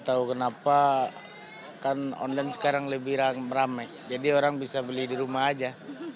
tahu kenapa kan online sekarang lebih ramai jadi orang bisa beli di rumah aja